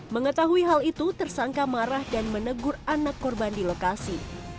mengetahui hal itu tersangka marah dan menegur anak korban di lokasi